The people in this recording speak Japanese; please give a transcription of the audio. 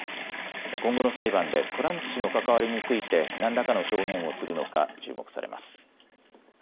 今後の裁判でトランプ氏の関わりについて何らかの証言をするのか注目されます。